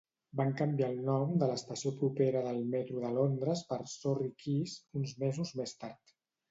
Van canviar el nom de l'estació propera del metro de Londres per Surrey Quays uns mesos més tard.